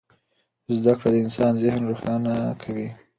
زده کړه د انسان ذهن روښانه کوي.